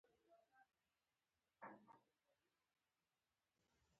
کروندګر د ژوند په هره برخه کې هڅاند دی